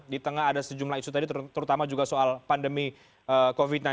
di tengah ada sejumlah isu tadi terutama juga soal pandemi